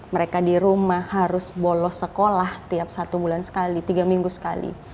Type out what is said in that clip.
mereka di rumah harus bolos sekolah tiap satu bulan sekali tiga minggu sekali